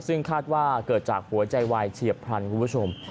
ซึ่งคาดว่าเกิดจากหัวใจวายเฉียบพลันคุณผู้ชม